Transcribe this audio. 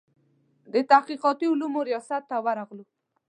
د تحقیقاتي علومو ریاست ته ورغلو.